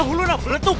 aduh banyak pisau eteh